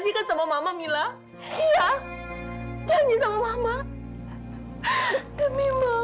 mama bisa merasakan apa yang ibu amar merasakan milla